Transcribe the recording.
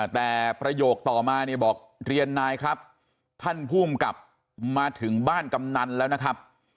แต่ประโยคต่อมาเนี่ยบอกเรียนนายครับท่านภูมิกับมาถึงบ้านกำนันแล้วนะครับ